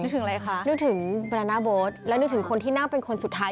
นึกถึงบรรณาโบ๊ทและนึกถึงคนที่นั่งเป็นคนสุดท้าย